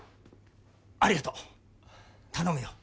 ありがとう頼むよ。